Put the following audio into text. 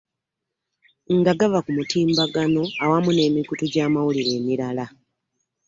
Nga gava ku mutimbagano awamu n'emikutu gy'amawulire emirala.